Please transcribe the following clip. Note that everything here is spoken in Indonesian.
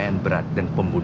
udah pulang ya ampun